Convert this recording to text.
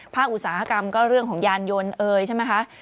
อุตสาหกรรมก็เรื่องของยานยนต์เอ่ยใช่ไหมคะ